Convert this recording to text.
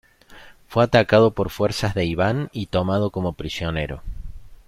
Fue atacado por fuerzas de Iván y tomado como prisionero.